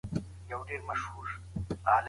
زه د هرې انتها تر بامه لاړم